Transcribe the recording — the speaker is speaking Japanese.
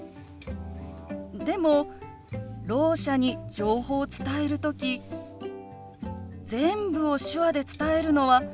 でもろう者に情報を伝える時全部を手話で伝えるのは難しいと思うの。